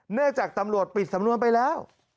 เนื่องจากตำรวจปิดสำนวนไปแล้ว